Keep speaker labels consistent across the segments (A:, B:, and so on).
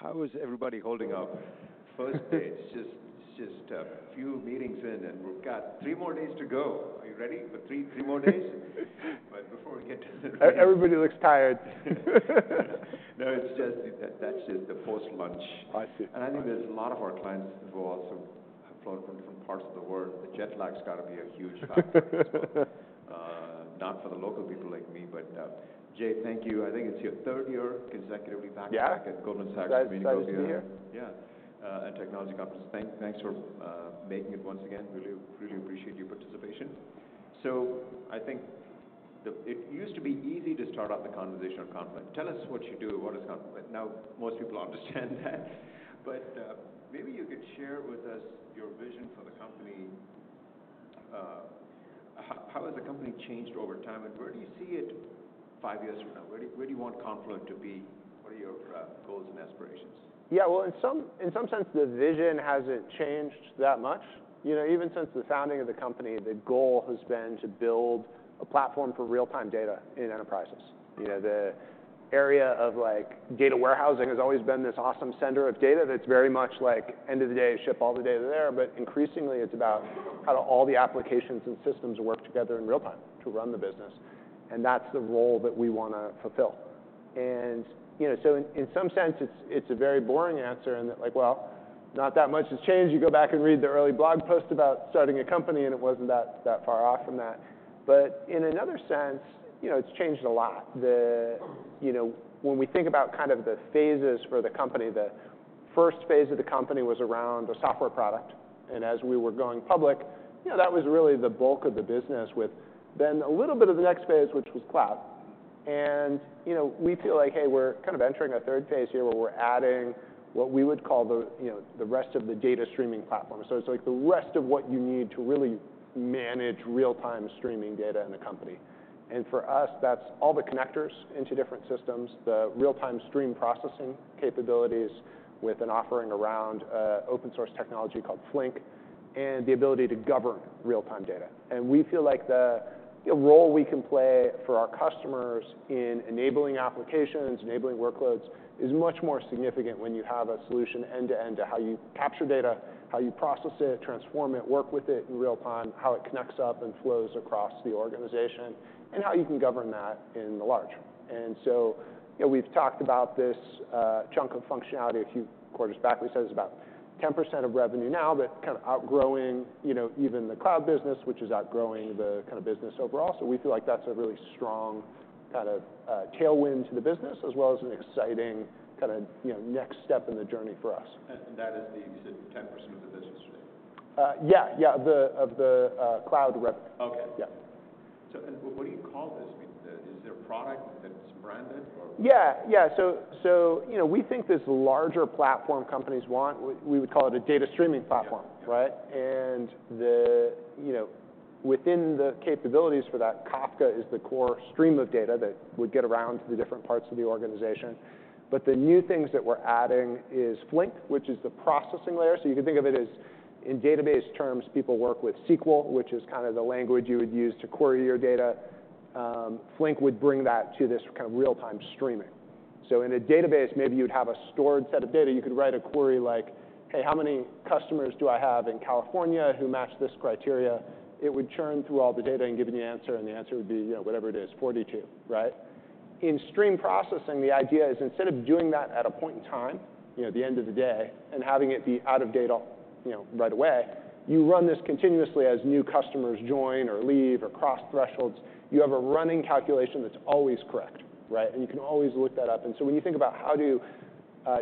A: How is everybody holding up? First day, it's just a few meetings in, and we've got three more days to go. Are you ready for three more days? But before we get to the-
B: Everybody looks tired.
A: No, it's just that. That's just the post-lunch.
B: I see.
A: I think there's a lot of our clients who also have flown from different parts of the world. The jet lag's gotta be a huge factor as well. Not for the local people like me, but Jay, thank you. I think it's your third year consecutively back-
B: Yeah
A: -Back at Goldman Sachs-
B: Excited, excited to be here.
A: Yeah, and Technology Conference. Thanks for making it once again. Really, really appreciate your participation. So I think it used to be easy to start off the conversation on Confluent: "Tell us what you do, what is Confluent?" Now, most people understand that, but maybe you could share with us your vision for the company. How has the company changed over time, and where do you see it five years from now? Where do you want Confluent to be? What are your goals and aspirations?
B: Yeah, well, in some sense, the vision hasn't changed that much. You know, even since the founding of the company, the goal has been to build a platform for real-time data in enterprises. You know, the area of, like, data warehousing has always been this awesome center of data that's very much like, end of the day, ship all the data there, but increasingly, it's about how do all the applications and systems work together in real time to run the business, and that's the role that we wanna fulfill, and, you know, so in some sense, it's a very boring answer in that like: Well, not that much has changed. You go back and read the early blog post about starting a company, and it wasn't that far off from that, but in another sense, you know, it's changed a lot. The...You know, when we think about kind of the phases for the company, the first phase of the company was around the software product, and as we were going public, you know, that was really the bulk of the business, with then a little bit of the next phase, which was cloud, and you know, we feel like, hey, we're kind of entering a third phase here, where we're adding what we would call the, you know, the rest of the data streaming platform, so it's, like, the rest of what you need to really manage real-time streaming data in a company, and for us, that's all the connectors into different systems, the real-time stream processing capabilities with an offering around open-source technology called Flink, and the ability to govern real-time data. We feel like the role we can play for our customers in enabling applications, enabling workloads, is much more significant when you have a solution end-to-end to how you capture data, how you process it, transform it, work with it in real time, how it connects up and flows across the organization, and how you can govern that in the large. You know, we've talked about this chunk of functionality a few quarters back. We said it's about 10% of revenue now, but kind of outgrowing, you know, even the cloud business, which is outgrowing the kind of business overall. We feel like that's a really strong kind of tailwind to the business, as well as an exciting kind of, you know, next step in the journey for us.
A: That is the, you said, 10% of the business today?
B: Yeah, the cloud rev-
A: Okay.
B: Yeah.
A: What do you call this? I mean, is there a product that's branded or?
B: Yeah. So, you know, we think this larger platform companies want, we would call it a data streaming platform.
A: Yeah.
B: Right? And the, you know, within the capabilities for that, Kafka is the core stream of data that would get around to the different parts of the organization. But the new things that we're adding is Flink, which is the processing layer. So you can think of it as, in database terms, people work with SQL, which is kind of the language you would use to query your data. Flink would bring that to this kind of real-time streaming. So in a database, maybe you'd have a stored set of data. You could write a query like, "Hey, how many customers do I have in California who match this criteria?" It would churn through all the data and give you the answer, and the answer would be, you know, whatever it is, forty-two. Right? In stream processing, the idea is, instead of doing that at a point in time, you know, the end of the day, and having it be out of date all, you know, right away, you run this continuously as new customers join or leave or cross thresholds. You have a running calculation that's always correct, right? And you can always look that up. And so when you think about how do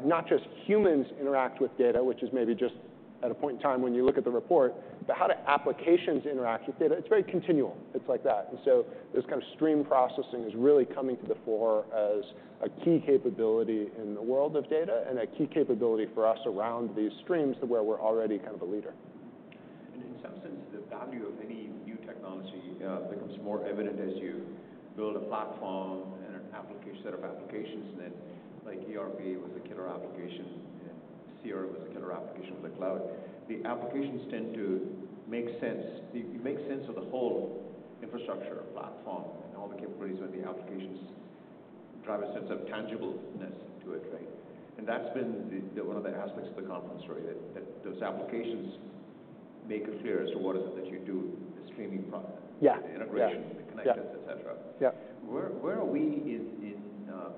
B: not just humans interact with data, which is maybe just at a point in time when you look at the report, but how do applications interact with data, it's very continual. It's like that. And so this kind of stream processing is really coming to the fore as a key capability in the world of data and a key capability for us around these streams, where we're already kind of a leader.
A: And in some sense, the value of any new technology becomes more evident as you build a platform and an application, set of applications, and then, like ERP was a killer application, and CRM was a killer application for the cloud. The applications tend to make sense. You, you make sense of the whole infrastructure platform, and all the capabilities of the applications drive a sense of tangibleness to it, right? And that's been the one of the aspects of the conference, right? That, that those applications make it clear as to what is it that you do, the streaming product-
B: Yeah.
A: -the integration-
B: Yeah.
A: the connections, et cetera.
B: Yeah.
A: Where are we in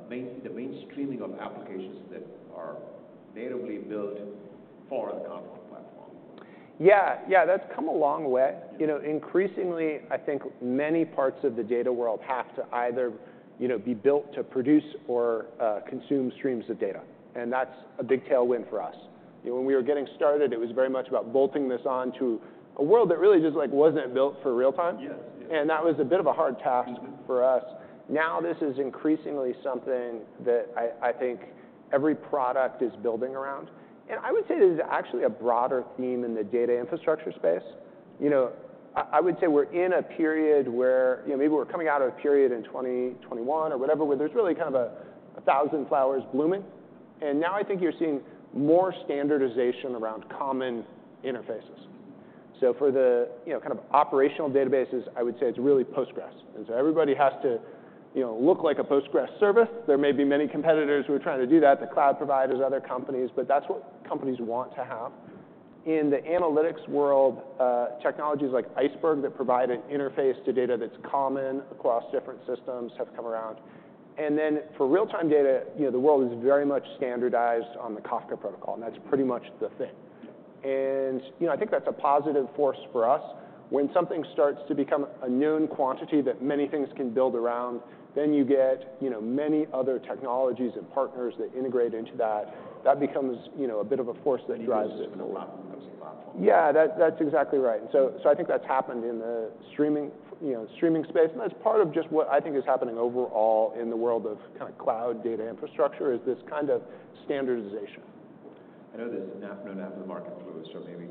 A: the mainstreaming of applications that are natively built for the Confluent Platform?
B: Yeah, yeah, that's come a long way. You know, increasingly, I think many parts of the data world have to either, you know, be built to produce or, consume streams of data, and that's a big tailwind for us. You know, when we were getting started, it was very much about bolting this on to a world that really just, like, wasn't built for real time.
A: Yes, yes.
B: That was a bit of a hard task.
A: Mm-hmm....
B: for us. Now, this is increasingly something that I think every product is building around. And I would say there's actually a broader theme in the data infrastructure space. You know, I would say we're in a period where, you know, maybe we're coming out of a period in 2021 or whatever, where there's really kind of a thousand flowers blooming. And now I think you're seeing more standardization around common interfaces. So for the, you know, kind of operational databases, I would say it's really Postgres. And so everybody has to, you know, look like a Postgres service. There may be many competitors who are trying to do that, the cloud providers, other companies, but that's what companies want to have. In the analytics world, technologies like Iceberg that provide an interface to data that's common across different systems have come around. And then for real-time data, you know, the world is very much standardized on the Kafka protocol, and that's pretty much the thing. And, you know, I think that's a positive force for us. When something starts to become a known quantity that many things can build around, then you get, you know, many other technologies and partners that integrate into that. That becomes, you know, a bit of a force that drives-
A: You use it as a platform.
B: Yeah, that, that's exactly right. And so, I think that's happened in the streaming, you know, streaming space, and that's part of just what I think is happening overall in the world of kind of cloud data infrastructure, is this kind of standardization.
A: I know there's an announcement after the market close, or maybe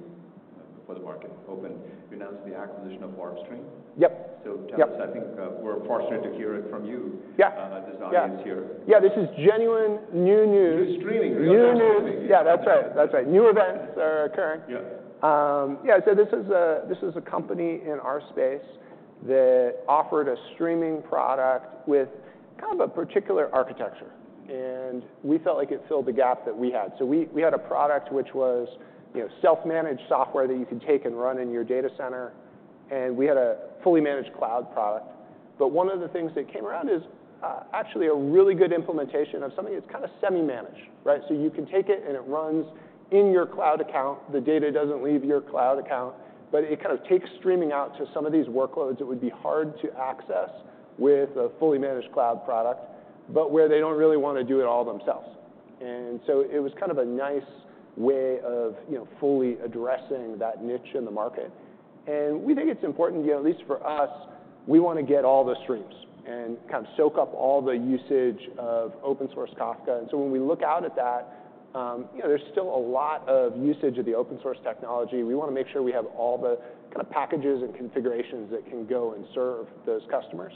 A: before the market open, you announced the acquisition of WarpStream.
B: Yep.
A: So-
B: Yep.
A: I think, we're fortunate to hear it from you.
B: Yeah.
A: This audience here.
B: Yeah, this is genuine new news.
A: New streaming.
B: New news.
A: Real time.
B: Yeah, that's right. That's right. New events are occurring.
A: Yeah.
B: Yeah, so this is a company in our space that offered a streaming product with kind of a particular architecture, and we felt like it filled the gap that we had. So we had a product which was, you know, self-managed software that you can take and run in your data center, and we had a fully managed cloud product. But one of the things that came around is actually a really good implementation of something that's kind of semi-managed, right? So you can take it, and it runs in your cloud account. The data doesn't leave your cloud account, but it kind of takes streaming out to some of these workloads that would be hard to access with a fully managed cloud product, but where they don't really want to do it all themselves. And so it was kind of a nice way of, you know, fully addressing that niche in the market. And we think it's important, you know, at least for us, we want to get all the streams and kind of soak up all the usage of open source Kafka. And so when we look out at that, you know, there's still a lot of usage of the open source technology. We want to make sure we have all the kind of packages and configurations that can go and serve those customers.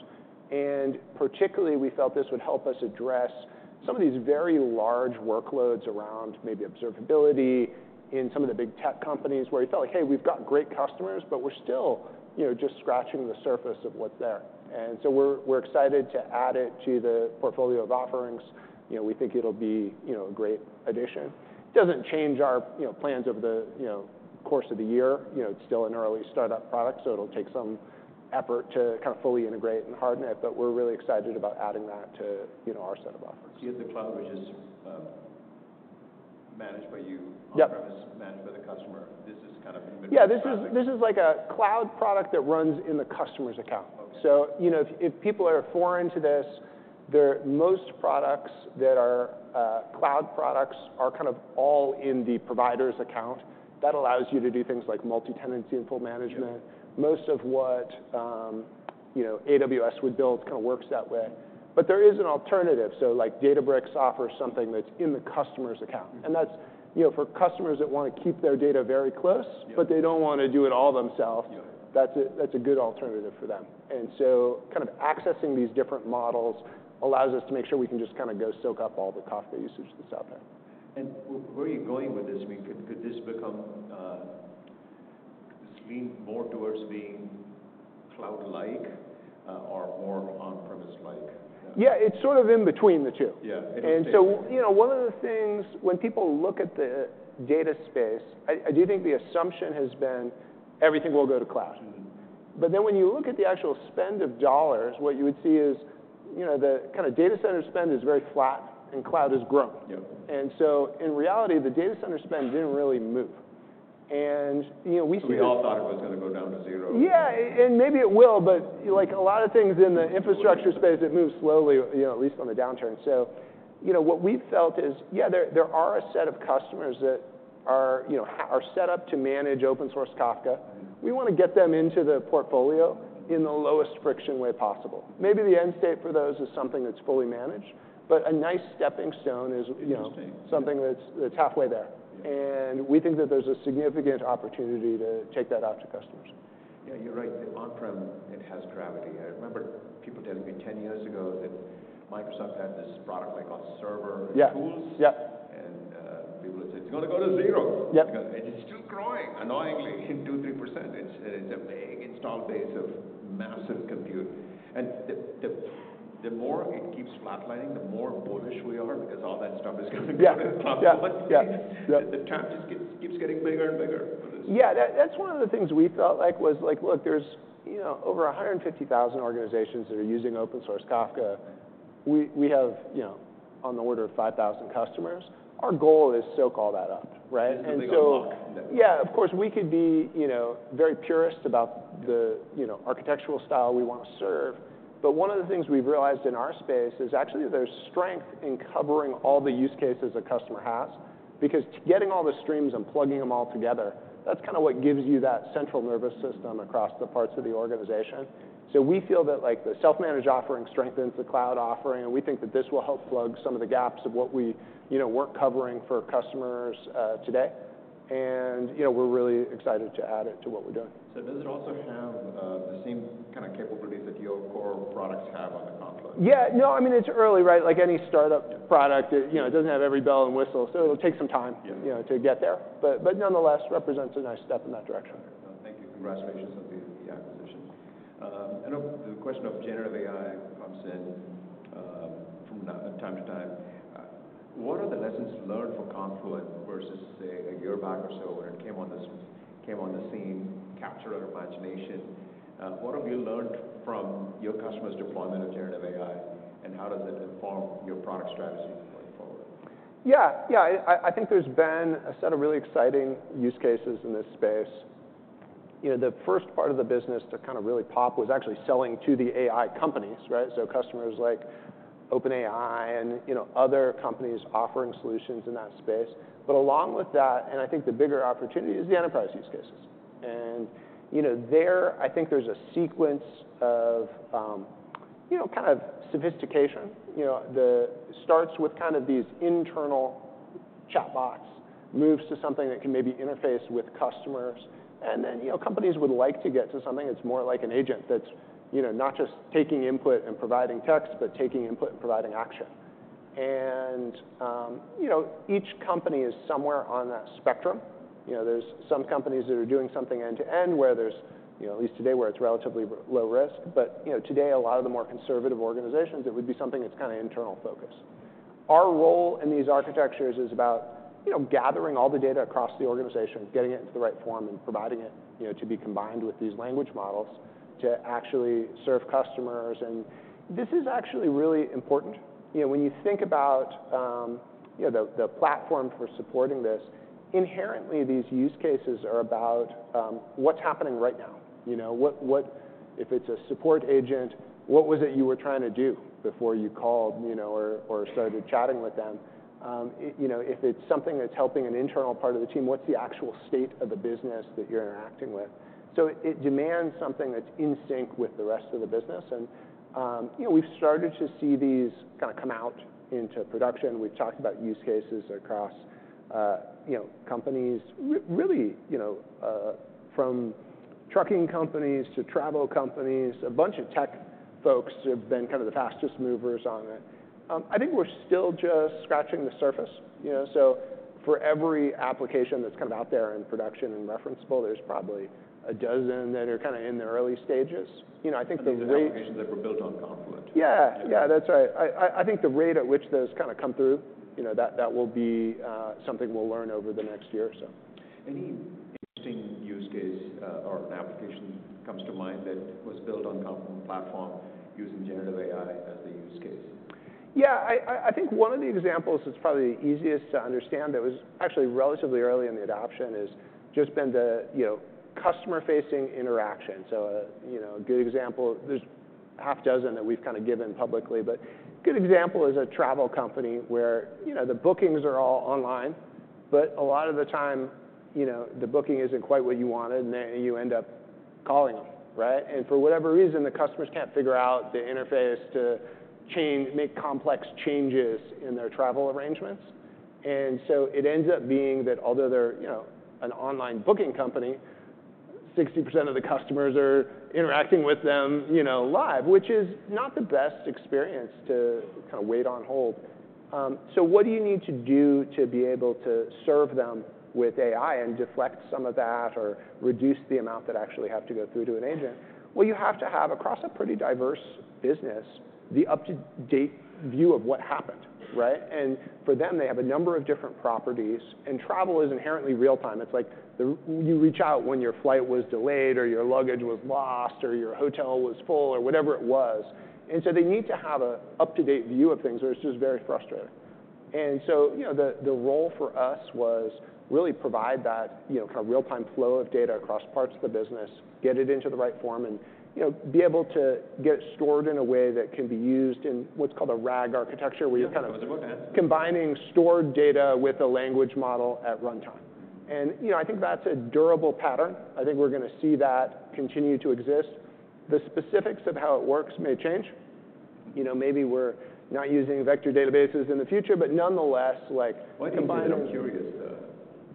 B: Particularly, we felt this would help us address some of these very large workloads around maybe observability in some of the big tech companies, where we felt like, "Hey, we've got great customers, but we're still, you know, just scratching the surface of what's there." So we're excited to add it to the portfolio of offerings. You know, we think it'll be, you know, a great addition. It doesn't change our, you know, plans over the, you know, course of the year. You know, it's still an early startup product, so it'll take some effort to kind of fully integrate and harden it, but we're really excited about adding that to, you know, our set of offerings.
A: So you have the cloud, which is managed by you-
B: Yep....
A: on-premise, managed by the customer. This is kind of in between product?
B: Yeah, this is, this is like a cloud product that runs in the customer's account.
A: Okay.
B: You know, if people are foreign to this, most products that are cloud products are kind of all in the provider's account. That allows you to do things like multi-tenancy and full management.
A: Yeah.
B: Most of what, you know, AWS would build kind of works that way. But there is an alternative. So, like, Databricks offers something that's in the customer's account.
A: Mm-hmm.
B: That's, you know, for customers that want to keep their data very close-
A: Yeah....
B: but they don't want to do it all themselves.
A: Yeah.
B: That's a good alternative for them. And so kind of accessing these different models allows us to make sure we can just kind of go soak up all the Kafka usage that's out there.
A: Where are you going with this? I mean, could this lean more towards being cloud like, or more on-premise like?
B: Yeah, it's sort of in between the two.
A: Yeah.
B: You know, one of the things when people look at the data space, I do think the assumption has been everything will go to cloud.
A: Mm-hmm.
B: But then, when you look at the actual spend of dollars, what you would see is, you know, the kind of data center spend is very flat and cloud has grown.
A: Yep.
B: And so in reality, the data center spend didn't really move. And, you know, we-
A: We all thought it was gonna go down to zero.
B: Yeah, and maybe it will, but like a lot of things in the infrastructure space, it moves slowly, you know, at least on the downturn. So, you know, what we've felt is, yeah, there are a set of customers that are, you know, set up to manage open source Kafka.
A: Mm-hmm.
B: We want to get them into the portfolio in the lowest friction way possible. Maybe the end state for those is something that's fully managed, but a nice stepping stone is, you know-
A: Yeah....
B: something that's halfway there.
A: Yeah.
B: We think that there's a significant opportunity to take that out to customers.
A: Yeah, you're right. The on-prem, it has gravity. I remember people telling me ten years ago that Microsoft had this product they called Server Tools.
B: Yeah, yeah.
A: And, people would say, "It's gonna go to zero!"
B: Yep.
A: It's still growing, annoyingly, 2-3%. It's a big install base of massive compute. The more it keeps flatlining, the more bullish we are, because all that stuff is coming to the cloud.
B: Yeah. Yeah, yeah.
A: The chance just keeps getting bigger and bigger for this.
B: Yeah, that's one of the things we felt like was like, look, there's, you know, over 150,000 organizations that are using open source Kafka.
A: Right.
B: We have, you know, on the order of 5,000 customers. Our goal is soak all that up, right?
A: Mm-hmm.
B: And so-
A: Big unlock.
B: Yeah, of course, we could be, you know, very purist about the, you know, architectural style we want to serve, but one of the things we've realized in our space is actually there's strength in covering all the use cases a customer has, because getting all the streams and plugging them all together, that's kind of what gives you that central nervous system across the parts of the organization, so we feel that, like, the self-managed offering strengthens the cloud offering, and we think that this will help plug some of the gaps of what we, you know, weren't covering for customers, today, and you know, we're really excited to add it to what we're doing.
A: So does it also have the same kind of capabilities that your core products have on the cloud?
B: Yeah. No, I mean, it's early, right? Like any startup product, it, you know, it doesn't have every bell and whistle, so it'll take some time-
A: Yeah....
B: you know, to get there, but, but nonetheless, represents a nice step in that direction.
A: Thank you. Congratulations on the acquisition. I know the question of generative AI comes in from time to time. What are the lessons learned from Confluent versus, say, a year back or so when it came on the scene, captured our imagination? What have you learned from your customers' deployment of generative AI, and how does it inform your product strategy going forward?
B: Yeah, yeah. I think there's been a set of really exciting use cases in this space. You know, the first part of the business to kind of really pop was actually selling to the AI companies, right? So customers like OpenAI and, you know, other companies offering solutions in that space, but along with that, and I think the bigger opportunity, is the enterprise use cases, and, you know, there, I think there's a sequence of, you know, kind of sophistication. You know, starts with kind of these internal chatbots, moves to something that can maybe interface with customers, and then, you know, companies would like to get to something that's more like an agent that's, you know, not just taking input and providing text, but taking input and providing action, and, you know, each company is somewhere on that spectrum. You know, there's some companies that are doing something end-to-end, where there's, you know, at least today, where it's relatively low risk. But, you know, today, a lot of the more conservative organizations, it would be something that's kind of internal focused. Our role in these architectures is about, you know, gathering all the data across the organization, getting it into the right form, and providing it, you know, to be combined with these language models to actually serve customers. And this is actually really important. You know, when you think about, you know, the platform for supporting this, inherently, these use cases are about what's happening right now. You know. If it's a support agent, what was it you were trying to do before you called, you know, or started chatting with them? You know, if it's something that's helping an internal part of the team, what's the actual state of the business that you're interacting with? So it demands something that's in sync with the rest of the business, and you know, we've started to see these kind of come out into production. We've talked about use cases across, you know, companies. Really, you know, from trucking companies to travel companies, a bunch of tech folks have been kind of the fastest movers on it. I think we're still just scratching the surface, you know. So for every application that's kind of out there in production and referenceable, there's probably a dozen that are kind of in the early stages. You know, I think the rate-
A: These are applications that were built on Confluent.
B: Yeah. Yeah, that's right. I think the rate at which those kind of come through, you know, that will be something we'll learn over the next year or so.
A: Any interesting use case, or an application comes to mind that was built on Confluent Platform using Generative AI as the use case?
B: Yeah, I think one of the examples that's probably easiest to understand, that was actually relatively early in the adoption, is just been the, you know, customer-facing interaction. So, you know, a good example. There's half dozen that we've kind of given publicly, but a good example is a travel company where, you know, the bookings are all online, but a lot of the time, you know, the booking isn't quite what you wanted, and then you end up calling them, right? And for whatever reason, the customers can't figure out the interface to change, make complex changes in their travel arrangements. And so it ends up being that although they're, you know, an online booking company, 60% of the customers are interacting with them, you know, live, which is not the best experience to kind of wait on hold. So what do you need to do to be able to serve them with AI and deflect some of that or reduce the amount that actually have to go through to an agent? Well, you have to have, across a pretty diverse business, the up-to-date view of what happened, right? And for them, they have a number of different properties, and travel is inherently real-time. It's like you reach out when your flight was delayed, or your luggage was lost, or your hotel was full, or whatever it was. And so they need to have a up-to-date view of things, or it's just very frustrating. And so, you know, the role for us was really provide that, you know, kind of real-time flow of data across parts of the business, get it into the right form, and, you know, be able to get it stored in a way that can be used in what's called a RAG architecture, where you're kind of.
A: Yeah, I was about to ask....
B: combining stored data with a language model at runtime. And, you know, I think that's a durable pattern. I think we're gonna see that continue to exist. The specifics of how it works may change. You know, maybe we're not using vector databases in the future, but nonetheless, like combining-
A: I'm curious,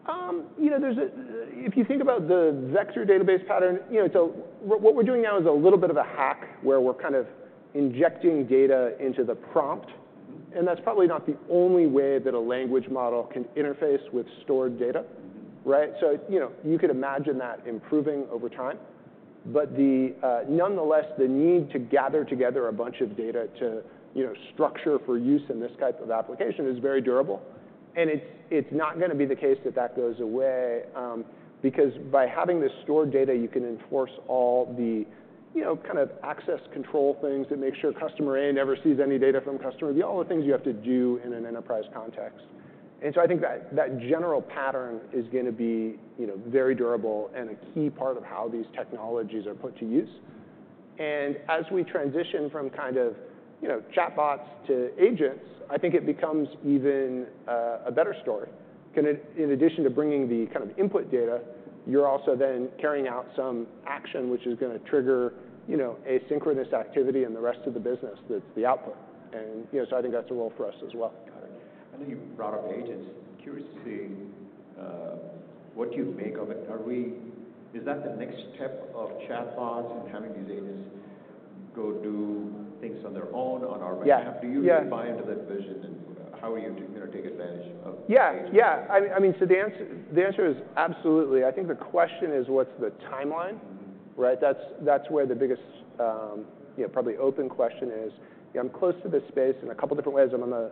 A: though.
B: You know, if you think about the vector database pattern, you know, so what we're doing now is a little bit of a hack, where we're kind of injecting data into the prompt, and that's probably not the only way that a language model can interface with stored data, right? So, you know, you could imagine that improving over time. But nonetheless, the need to gather together a bunch of data to, you know, structure for use in this type of application is very durable. It's not gonna be the case that that goes away, because by having this stored data, you can enforce all the, you know, kind of access control things that make sure customer A never sees any data from customer B, all the things you have to do in an enterprise context. And so I think that general pattern is gonna be, you know, very durable and a key part of how these technologies are put to use. And as we transition from kind of, you know, chatbots to agents, I think it becomes even a better story. In addition to bringing the kind of input data, you're also then carrying out some action, which is gonna trigger, you know, asynchronous activity in the rest of the business. That's the output. And, you know, so I think that's a role for us as well.
A: Got it. I think you brought up agents. I'm curious to see what you make of it. Are we? Is that the next step of chatbots and having these agents?... go do things on their own, on our behalf.
B: Yeah, yeah.
A: Do you really buy into that vision, and how are you going to take advantage of-
B: Yeah, yeah. I mean, I mean, so the answer, the answer is absolutely. I think the question is: what's the timeline, right? That's, that's where the biggest, you know, probably open question is. I'm close to this space in a couple different ways. I'm on the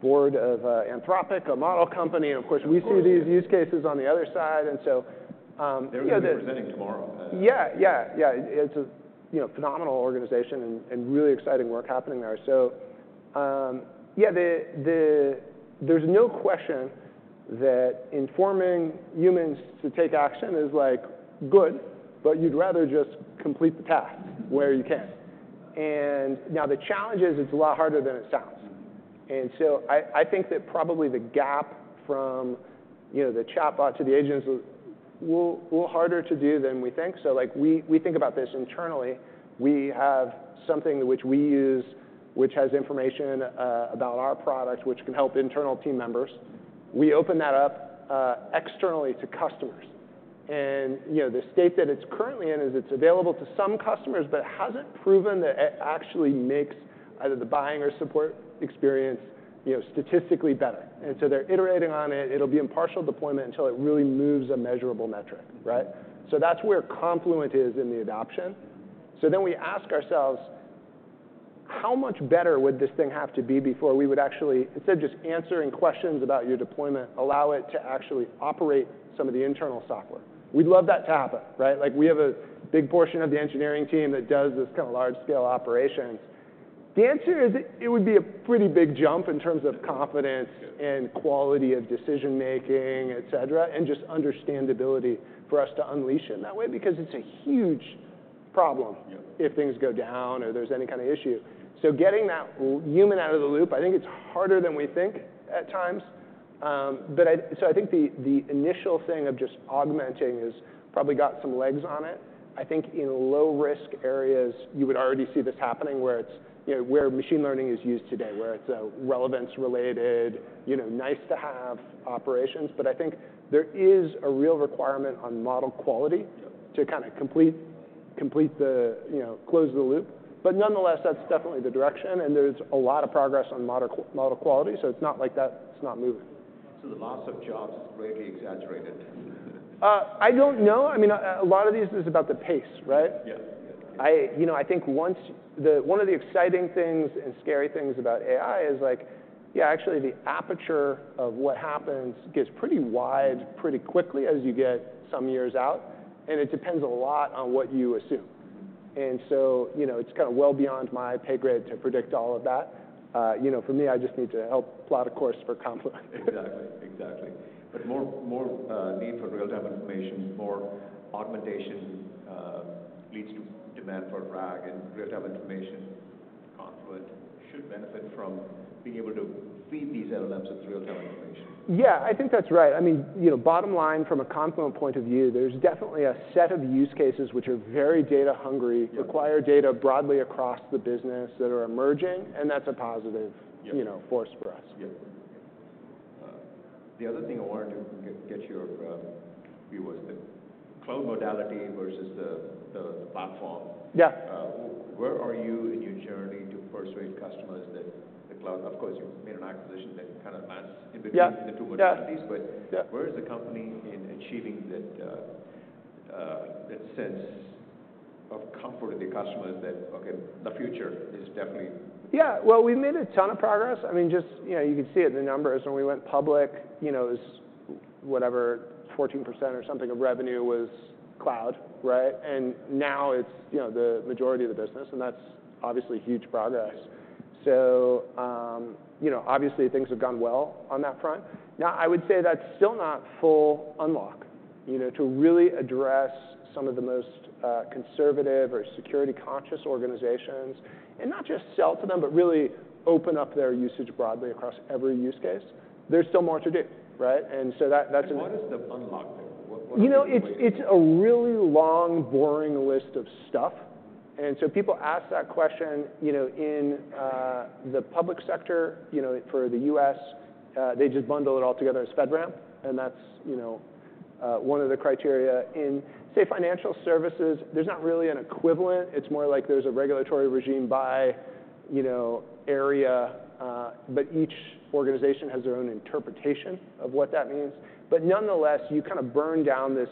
B: board of, Anthropic, a model company.
A: Of course.
B: And of course, we see these use cases on the other side, and so, you know, the-
A: They're gonna be presenting tomorrow.
B: Yeah, yeah, yeah. It's a, you know, phenomenal organization and really exciting work happening there. So, yeah, there's no question that informing humans to take action is, like, good, but you'd rather just complete the task where you can. And now the challenge is, it's a lot harder than it sounds. And so I think that probably the gap from, you know, the chatbot to the agents is a little harder to do than we think. So like, we think about this internally. We have something which we use, which has information about our product, which can help internal team members. We open that up externally to customers. And, you know, the state that it's currently in is it's available to some customers, but hasn't proven that it actually makes either the buying or support experience, you know, statistically better. And so they're iterating on it. It'll be in partial deployment until it really moves a measurable metric, right? So that's where Confluent is in the adoption. So then we ask ourselves: how much better would this thing have to be before we would actually, instead of just answering questions about your deployment, allow it to actually operate some of the internal software? We'd love that to happen, right? Like, we have a big portion of the engineering team that does this kind of large-scale operations. The answer is, it would be a pretty big jump in terms of confidence-
A: Yeah....
B: and quality of decision-making, et cetera, and just understandability for us to unleash it in that way, because it's a huge problem.
A: Yeah....
B: if things go down or there's any kind of issue. So getting that human out of the loop, I think it's harder than we think at times. But so I think the initial thing of just augmenting has probably got some legs on it. I think in low-risk areas, you would already see this happening, where it's, you know, where machine learning is used today, where it's, relevance-related, you know, nice-to-have operations. But I think there is a real requirement on model quality-
A: Yeah....
B: to kind of complete the, you know, close the loop. But nonetheless, that's definitely the direction, and there's a lot of progress on model quality, so it's not like that, it's not moving.
A: So the loss of jobs is greatly exaggerated, then?
B: I don't know. I mean, a lot of these is about the pace, right?
A: Yeah.
B: You know, I think once one of the exciting things and scary things about AI is like, yeah, actually, the aperture of what happens gets pretty wide pretty quickly as you get some years out, and it depends a lot on what you assume. And so, you know, it's kind of well beyond my pay grade to predict all of that. You know, for me, I just need to help plot a course for Confluent.
A: Exactly, exactly, but more need for real-time information, more augmentation leads to demand for RAG and real-time information. Confluent should benefit from being able to feed these LLMs with real-time information.
B: Yeah, I think that's right. I mean, you know, bottom line, from a Confluent point of view, there's definitely a set of use cases which are very data hungry-
A: Yeah....
B: require data broadly across the business that are emerging, and that's a positive-
A: Yeah....
B: you know, force for us.
A: Yeah. The other thing I wanted to get your view was the cloud modality versus the platform.
B: Yeah.
A: Where are you in your journey to persuade customers that the cloud... Of course, you've made an acquisition that kind of lands-
B: Yeah....
A: in between the two modalities.
B: Yeah.
A: But-
B: Yeah....
A: where is the company in achieving that sense of comfort with the customers that, okay, the future is definitely-
B: Yeah. Well, we've made a ton of progress. I mean, just, you know, you could see it in the numbers. When we went public, you know, it was whatever, 14% or something of revenue was cloud, right? And now it's, you know, the majority of the business, and that's obviously huge progress.
A: Yeah.
B: So, you know, obviously, things have gone well on that front. Now, I would say that's still not full unlock, you know, to really address some of the most conservative or security-conscious organizations, and not just sell to them, but really open up their usage broadly across every use case. There's still more to do, right? And so that's-
A: What is the unlock there?
B: You know, it's a really long, boring list of stuff. And so people ask that question, you know, in the public sector, you know, for the U.S., they just bundle it all together as FedRAMP, and that's, you know, one of the criteria. In, say, financial services, there's not really an equivalent. It's more like there's a regulatory regime by, you know, area, but each organization has their own interpretation of what that means. But nonetheless, you kind of burn down this,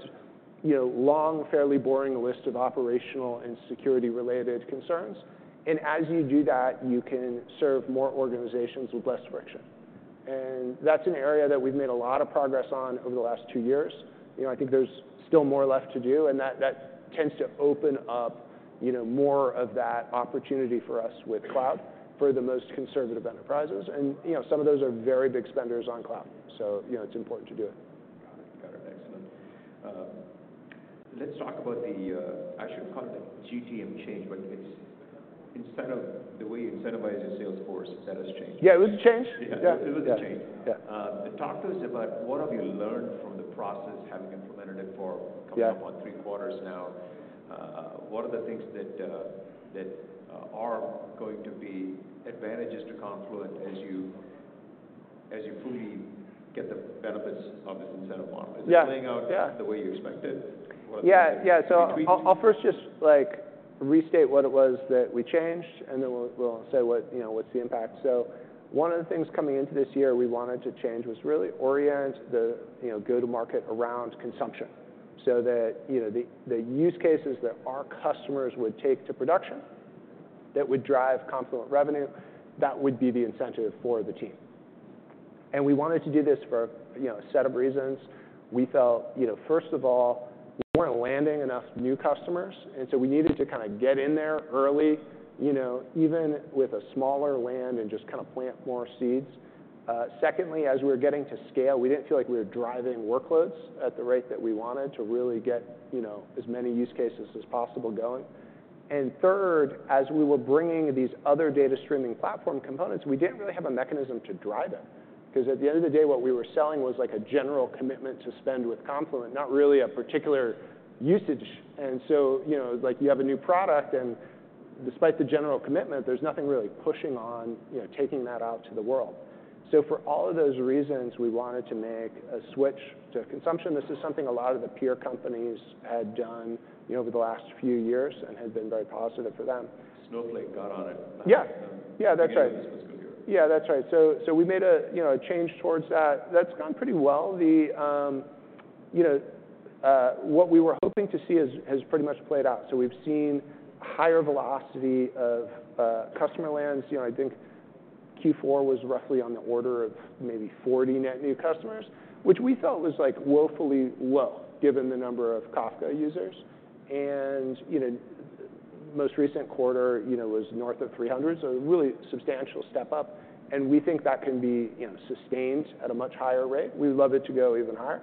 B: you know, long, fairly boring list of operational and security-related concerns. And as you do that, you can serve more organizations with less friction. And that's an area that we've made a lot of progress on over the last two years. You know, I think there's still more left to do, and that tends to open up, you know, more of that opportunity for us with cloud for the most conservative enterprises. And, you know, some of those are very big spenders on cloud, so, you know, it's important to do it.
A: Got it. Got it. Excellent. Let's talk about the, I should call it the GTM change, but it's, instead of the way you incentivize your sales force, that has changed.
B: Yeah, it was a change.
A: Yeah.
B: Yeah.
A: It was a change.
B: Yeah.
A: Talk to us about what have you learned from the process, having implemented it for-
B: Yeah.
A: Coming up on three quarters now. What are the things that are going to be advantages to Confluent as you fully get the benefits of this incentive model?
B: Yeah.
A: Is it playing out-
B: Yeah....
A: the way you expected?
B: Yeah, yeah.
A: Can you-
B: So I'll first just, like, restate what it was that we changed, and then we'll say what, you know, what's the impact, so one of the things coming into this year we wanted to change was really orient the, you know, go-to-market around consumption, so that, you know, the use cases that our customers would take to production that would drive Confluent revenue, that would be the incentive for the team, and we wanted to do this for, you know, a set of reasons. We felt, you know, first of all, we weren't landing enough new customers, and so we needed to kind of get in there early, you know, even with a smaller land, and just kind of plant more seeds. Secondly, as we were getting to scale, we didn't feel like we were driving workloads at the rate that we wanted to really get, you know, as many use cases as possible going. And third, as we were bringing these other data streaming platform components, we didn't really have a mechanism to drive them. 'Cause at the end of the day, what we were selling was, like, a general commitment to spend with Confluent, not really a particular usage. And so, you know, like, you have a new product, and despite the general commitment, there's nothing really pushing on, you know, taking that out to the world. So for all of those reasons, we wanted to make a switch to consumption. This is something a lot of the peer companies had done, you know, over the last few years and has been very positive for them.
A: Snowflake got on it.
B: Yeah. Yeah, that's right.
A: This was a good year.
B: Yeah, that's right. So we made a, you know, a change towards that. That's gone pretty well. The, you know, what we were hoping to see has pretty much played out. So we've seen higher velocity of customer lands. You know, I think Q4 was roughly on the order of maybe 40 net new customers, which we felt was, like, woefully low, given the number of Kafka users. And, you know, most recent quarter, you know, was north of 300, so a really substantial step up, and we think that can be, you know, sustained at a much higher rate. We'd love it to go even higher.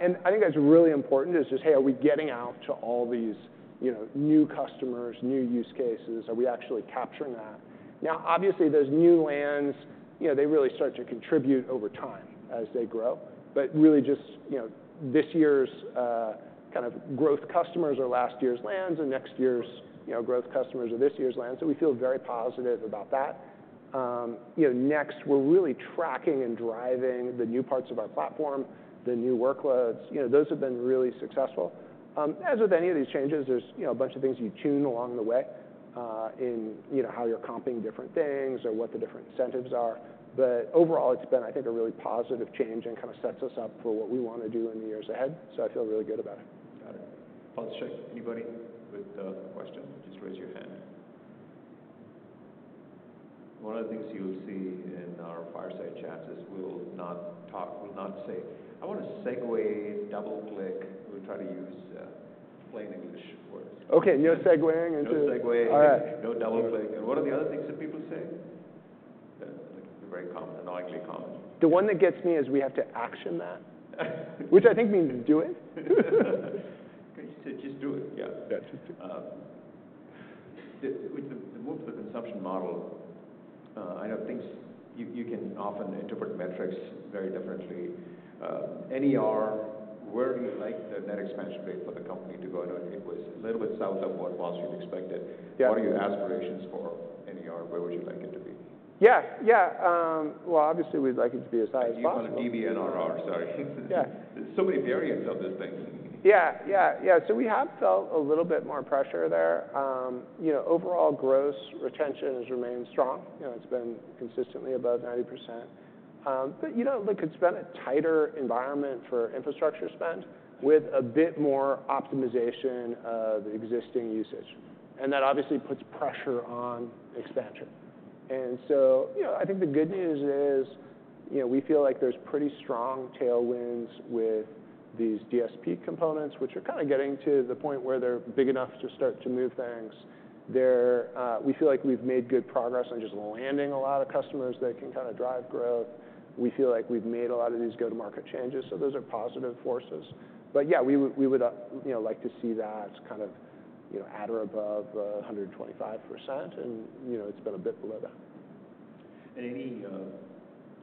B: And I think that's really important, is just, hey, are we getting out to all these, you know, new customers, new use cases? Are we actually capturing that? Now, obviously, those new lands, you know, they really start to contribute over time as they grow. But really just, you know, this year's kind of growth customers are last year's lands, and next year's, you know, growth customers are this year's lands, so we feel very positive about that. You know, next, we're really tracking and driving the new parts of our platform, the new workloads. You know, those have been really successful. As with any of these changes, there's, you know, a bunch of things you tune along the way, in, you know, how you're comping different things or what the different incentives are. But overall, it's been, I think, a really positive change and kind of sets us up for what we wanna do in the years ahead, so I feel really good about it.
A: Got it. I'll check anybody with questions, just raise your hand. One of the things you'll see in our fireside chats is we will not talk, we'll not say, "I want to segue, double click." We'll try to use plain English words.
B: Okay, no segueing into-
A: No segueing-
B: All right.
A: No double clicking. What are the other things that people say that are very common, annoyingly common?
B: The one that gets me is, "We have to action that," which I think means do it.
A: Just, just do it. Yeah.
B: Yeah.
A: With the move to the consumption model, I know things... You can often interpret metrics very differently. NER, where do you like the net expansion rate for the company to go? I know it was a little bit south of what possibly you'd expected.
B: Yeah.
A: What are your aspirations for NER? Where would you like it to be?
B: Yeah, yeah. Well, obviously, we'd like it to be as high as possible.
A: Do you want a DBNRR? Sorry.
B: Yeah.
A: There's so many variants of these things.
B: Yeah, yeah, yeah. So we have felt a little bit more pressure there. You know, overall gross retention has remained strong, you know, it's been consistently above 90%. But, you know, look, it's been a tighter environment for infrastructure spend, with a bit more optimization of the existing usage. And that obviously puts pressure on expansion. And so, you know, I think the good news is, you know, we feel like there's pretty strong tailwinds with these DSP components, which are kind of getting to the point where they're big enough to start to move things. They're, we feel like we've made good progress on just landing a lot of customers that can kind of drive growth. We feel like we've made a lot of these go-to-market changes, so those are positive forces. But yeah, we would, you know, like to see that kind of, you know, at or above 125%, and, you know, it's been a bit below that.
A: And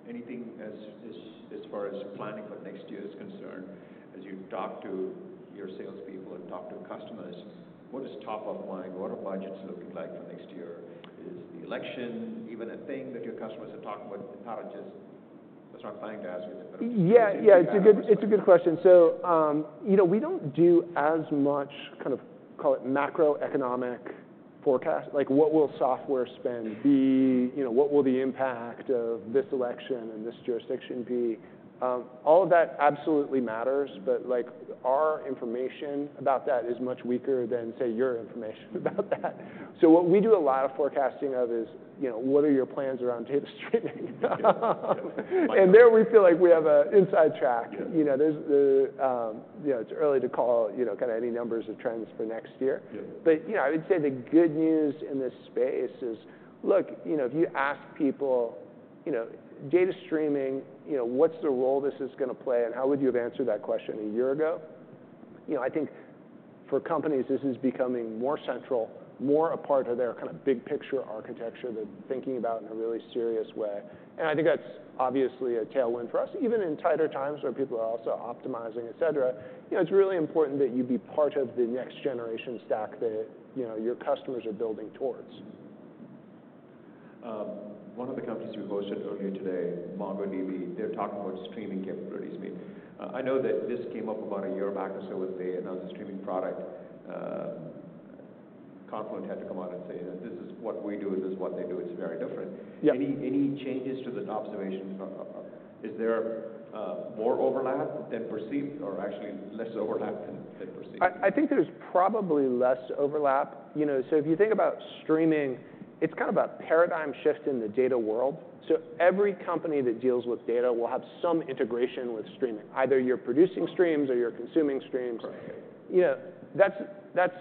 A: anything as far as planning for next year is concerned, as you talk to your salespeople and talk to customers, what is top of mind? What are budgets looking like for next year? Is the election even a thing that your customers are talking about? How did this, that's what I'm planning to ask you.
B: Yeah, yeah, it's a good- It's a good question. So, you know, we don't do as much, kind of, call it macroeconomic forecast. Like, what will software spend be? You know, what will the impact of this election and this jurisdiction be? All of that absolutely matters, but, like, our information about that is much weaker than, say, your information about that. So what we do a lot of forecasting of is, you know, what are your plans around data streaming?
A: Yeah.
B: There we feel like we have an inside track.
A: Yeah.
B: You know, there's, you know, it's early to call, you know, kind of any numbers or trends for next year.
A: Yeah.
B: But, you know, I would say the good news in this space is, look, you know, if you ask people, you know, data streaming, you know, what's the role this is gonna play, and how would you have answered that question a year ago? You know, I think for companies, this is becoming more central, more a part of their kind of big picture architecture that thinking about in a really serious way. And I think that's obviously a tailwind for us. Even in tighter times, where people are also optimizing, et cetera, you know, it's really important that you be part of the next generation stack that, you know, your customers are building towards.
A: One of the companies you hosted earlier today, MongoDB, they're talking about streaming capabilities. I mean, I know that this came up about a year back or so with the announcement of the streaming product. Confluent had to come out and say that, "This is what we do, and this is what they do. It's very different."
B: Yeah.
A: Any changes to that observation from? Is there more overlap than perceived or actually less overlap than perceived?
B: I think there's probably less overlap. You know, so if you think about streaming, it's kind of a paradigm shift in the data world. So every company that deals with data will have some integration with streaming. Either you're producing streams or you're consuming streams.
A: Right.
B: Yeah, that's, that's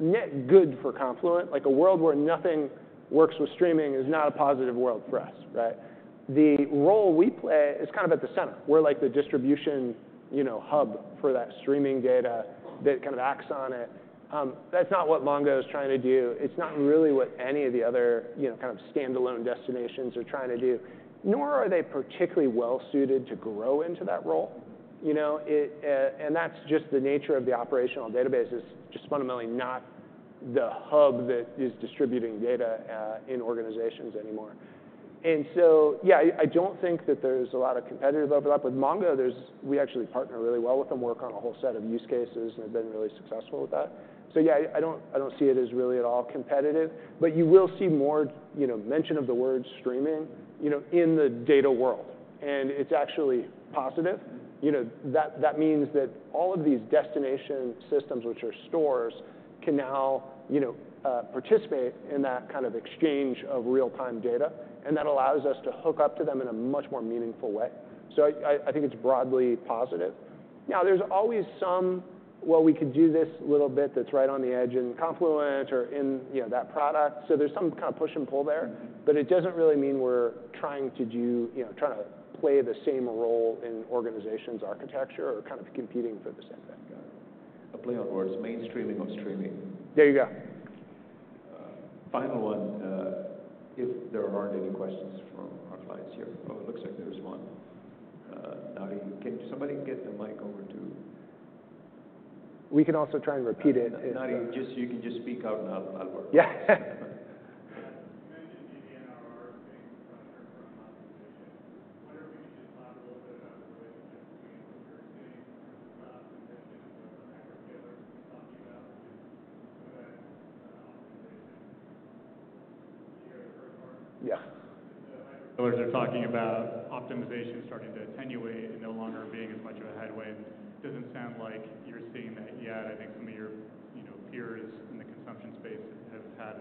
B: net good for Confluent. Like, a world where nothing works with streaming is not a positive world for us, right? The role we play is kind of at the center. We're like the distribution, you know, hub for that streaming data that kind of acts on it. That's not what Mongo is trying to do. It's not really what any of the other, you know, kind of standalone destinations are trying to do, nor are they particularly well suited to grow into that role, you know? It... And that's just the nature of the operational database is just fundamentally not the hub that is distributing data in organizations anymore. And so, yeah, I don't think that there's a lot of competitive overlap. With Mongo, there's we actually partner really well with them, work on a whole set of use cases, and have been really successful with that. So yeah, I don't see it as really at all competitive. But you will see more, you know, mention of the word streaming, you know, in the data world, and it's actually positive. You know, that means that all of these destination systems, which are stores, can now, you know, participate in that kind of exchange of real-time data, and that allows us to hook up to them in a much more meaningful way. So I think it's broadly positive. Now, there's always some, "Well, we could do this a little bit, that's right on the edge in Confluent or in, you know, that product." So there's some kind of push and pull there, but it doesn't really mean we're trying to do, you know, trying to play the same role in organization's architecture or kind of competing for the same thing.
A: Got it. A play on words, mainstreaming of streaming.
B: There you go.
A: Final one, if there aren't any questions from our clients here. Oh, it looks like there's one. Now, can somebody get the mic over to?
B: We can also try and repeat it if-
A: Nadi, just you can just speak out, and I'll work.
B: Yeah. Yeah. The hyperscalers are talking about optimization starting to attenuate and no longer being as much of a headwind. It doesn't sound like you're seeing that yet. I think some of your, you know, peers in the consumption space have had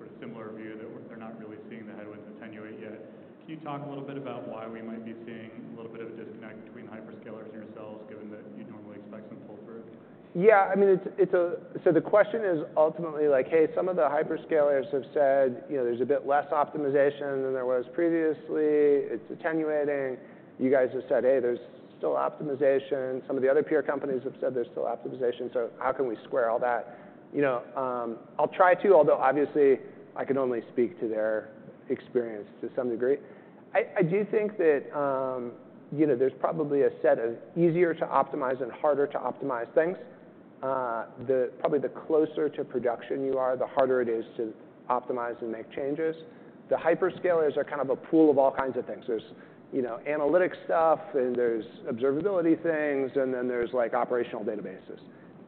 B: sort of similar view, that they're not really seeing the headwinds attenuate yet. Can you talk a little bit about why we might be seeing a little bit of a disconnect between hyperscalers and yourselves, given that you'd normally expect some pull-through? Yeah, I mean, it's, So the question is ultimately like, "Hey, some of the hyperscalers have said, you know, there's a bit less optimization than there was previously. It's attenuating. You guys have said, 'Hey, there's still optimization.' Some of the other peer companies have said there's still optimization. So how can we square all that?" You know, I'll try to, although obviously, I can only speak to their experience to some degree. I do think that, you know, there's probably a set of easier to optimize and harder to optimize things. Probably the closer to production you are, the harder it is to optimize and make changes. The hyperscalers are kind of a pool of all kinds of things. There's, you know, analytics stuff, and there's observability things, and then there's, like, operational databases.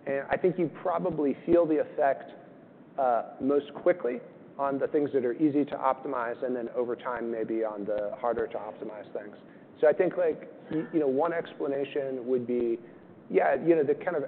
B: And I think you probably feel the effect most quickly on the things that are easy to optimize, and then over time, maybe on the harder to optimize things. So I think, like, you know, one explanation would be, yeah, you know, the kind of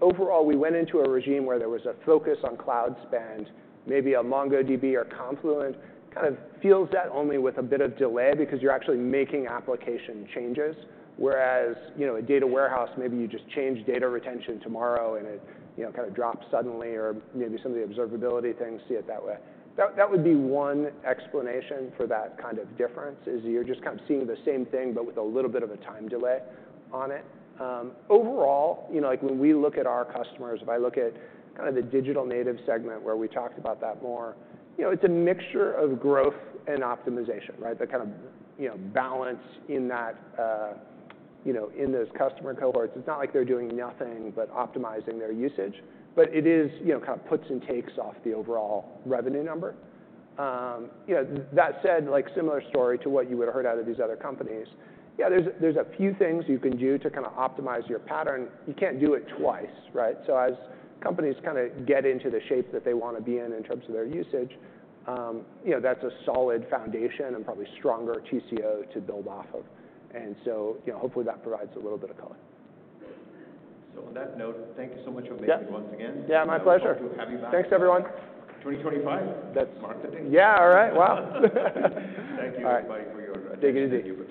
B: overall, we went into a regime where there was a focus on cloud spend, maybe a MongoDB or Confluent, kind of feels that only with a bit of delay because you are actually making application changes. Whereas, you know, a data warehouse, maybe you just change data retention tomorrow, and it, you know, kind of drops suddenly or maybe some of the observability things see it that way. That would be one explanation for that kind of difference, is you are just kind of seeing the same thing, but with a little bit of a time delay on it. Overall, you know, like, when we look at our customers, if I look at kind of the digital native segment where we talked about that more, you know, it's a mixture of growth and optimization, right? The kind of, you know, balance in that, you know, in those customer cohorts. It's not like they're doing nothing but optimizing their usage, but it is, you know, kind of puts and takes off the overall revenue number. You know, that said, like, similar story to what you would have heard out of these other companies, yeah, there's a few things you can do to kind of optimize your pattern. You can't do it twice, right? So as companies kind of get into the shape that they wanna be in, in terms of their usage, you know, that's a solid foundation and probably stronger TCO to build off of. And so, you know, hopefully, that provides a little bit of color.
A: So on that note, thank you so much for being here once again.
B: Yeah, my pleasure.
A: We hope to have you back-
B: Thanks, everyone.
A: 2025?
B: That's-
A: Mark the date.
B: Yeah, all right. Wow.
A: Thank you, everybody, for your-
B: Take it easy....
A: and your participation as well.